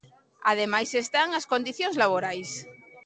Ademais están as condicións laborais.